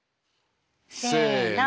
せの。